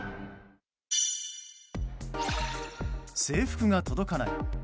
制服が届かない。